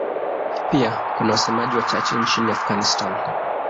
Pia kuna wasemaji wachache nchini Afghanistan.